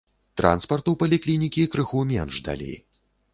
Транспарту паліклінікі крыху менш далі.